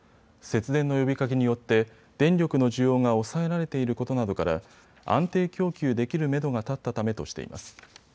節電の呼びかけによって電力の需要が抑えられていることなどから安定供給できるめどが立ったためとしています。